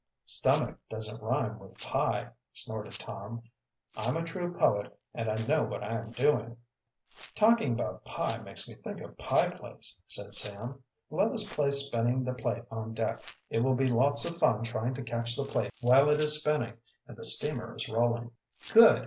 "Stomach doesn't rhyme with pie," snorted 'Tom. "I'm a true poet and I know what I am doing." "Talking about pie makes me think of pie plates," said Sam. "Let us play spinning the plate on deck. It will be lots of fun trying to catch the plate while it is spinning and the steamer is rolling." "Good!"